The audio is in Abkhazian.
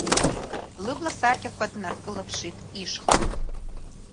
Лыбласаркьақәа днаркылыԥшит ишҟа.